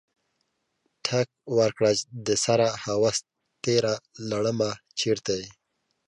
ټک ورکړه دسره هوس تیره لړمه چرته یې؟